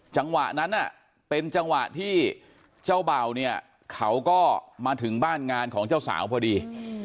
จังหวะนั้นเป็นจังหวะที่เจ้าเบาเนี่ยเขาก็มาถึงบ้านงานของเจ้าสาวพอดี